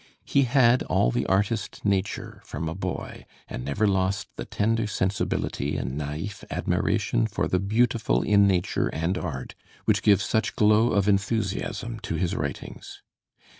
He had all the artist nature from a boy, and never lost the tender sensibility and naïf admiration for the beautiful in nature and art which give such glow of enthusiasm to his writings.